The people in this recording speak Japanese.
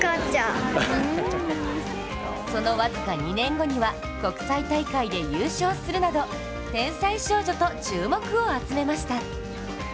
その僅か２年後には国際大会で優勝するなど天才少女と注目を集めました。